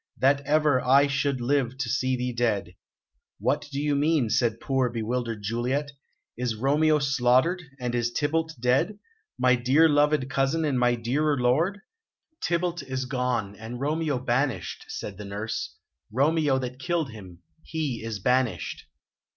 That ever I should live to see thee dead!" "What do you mean?" said poor, bewildered Juliet. "Is Romeo slaughtered, and is Tybalt dead? My dear loved cousin and my dearer lord?" "Tybalt is gone, and Romeo banished," said the nurse. "Romeo that killed him, he is banished."